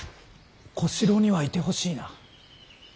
小四郎にはいてほしいな。